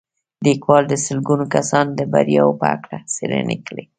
لیکوال د سلګونه کسانو د بریاوو په هکله څېړنې کړي